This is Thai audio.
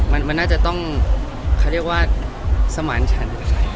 มันน่าจะต้องเขาเรียกว่าสมานฉัน